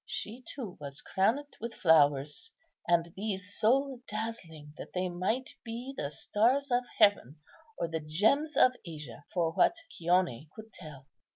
She, too, was crowned with flowers, and these so dazzling that they might be the stars of heaven or the gems of Asia for what Chione could tell.